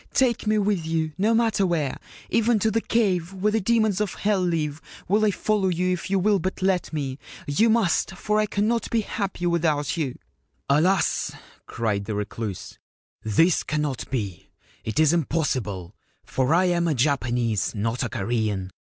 Take me with you, no matter where ; even to the Cave where the Demons of Hell live will I follow you if you will but let me ! You must, for I cannot be happy without you/ ' Alas/ cried the Recluse, ' this cannot be ! It is im possible ; for I am a Japanese, not a Korean.